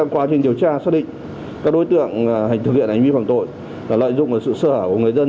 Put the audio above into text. quá trình điều tra xác định các đối tượng thực hiện hành vi phòng tội là lợi dụng sự sơ hỏa của người dân